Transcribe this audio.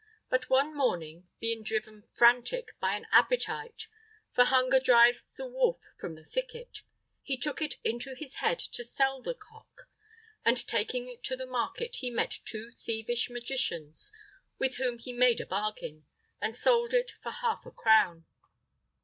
But one morning, being driven frantic with an appetite (for hunger drives the wolf from the thicket), he took it into his head to sell the cock; and, taking it to the market, he met two thievish magicians, with whom he made a bargain, and sold it for half a crown.